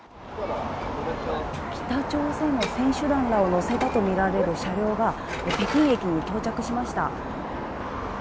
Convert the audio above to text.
北朝鮮の選手団らを乗せたと見られる車両が北京駅に到着しました。